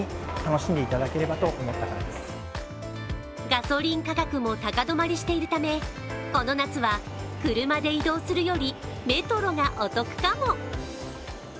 ガソリン価格も高止まりしているためこの夏は車で移動するよりメトロがお得かも。